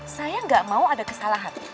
saya nggak mau ada kesalahan